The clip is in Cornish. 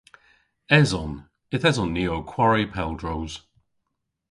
Eson. Yth eson ni ow kwari pel droos.